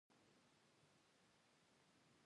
د متن لوستل او څېړل دوې موخي لري.